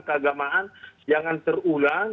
keagamaan jangan terulang